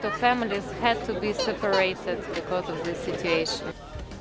dan banyak keluarga harus berseparasi karena situasi ini